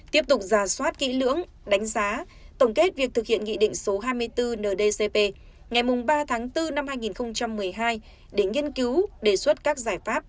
tiếp tục giả soát kỹ lưỡng đánh giá tổng kết việc thực hiện nghị định số hai mươi bốn ndcp ngày ba tháng bốn năm hai nghìn một mươi hai để nghiên cứu đề xuất các giải pháp